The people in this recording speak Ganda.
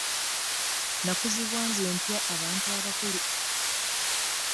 Nakuzibwa nze ntya abantu abakulu.